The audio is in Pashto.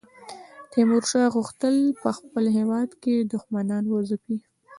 تیمورشاه غوښتل په خپل هیواد کې دښمنان وځپي.